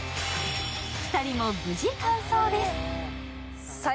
２人も無事完走です。